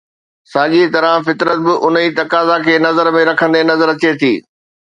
ساڳيءَ طرح فطرت به ان ئي تقاضا کي نظر ۾ رکندي نظر اچي ٿي